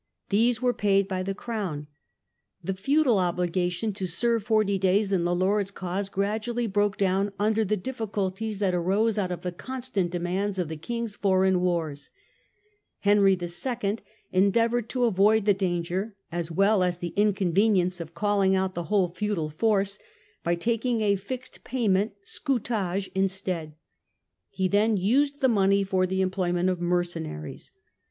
These were paid by the crown. The feudal ja) feudal obligation to serve forty days in the lord's *«vy. cause gradually broke down under the diffi culties that arose out of the constant demands of the kings' foreign wars. Henry II. endeavoured to avoid the danger as well as the inconvenience of calling out the whole feudal force by taking a fixed payment (scutage) instead. He then used the money for the employment of mercenaries.